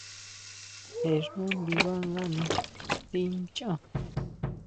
Je xú ndibangani tsí nchá.